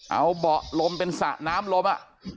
เอาเบาะลมเป็นสระน้ำลม